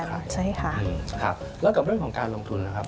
แล้วกับเรื่องของการลงทุนนะครับ